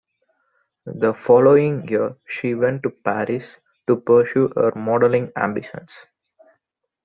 The following year, she went to Paris to pursue her modeling ambitions.